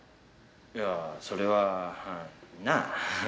いやそれはなあ。